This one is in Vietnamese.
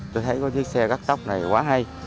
tôi thấy có chiếc xe cắt tóc này quá hay